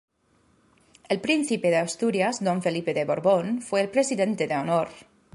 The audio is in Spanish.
El Príncipe de Asturias, Don Felipe de Borbón fue el Presidente de Honor.